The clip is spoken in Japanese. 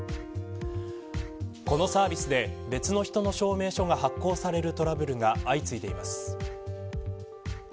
このサービスで別の人の証明書が発行されるトラブルが相次いでいます。